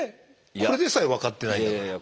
これでさえ分かってないんだから。